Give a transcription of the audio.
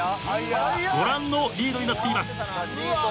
ご覧のリードになっています。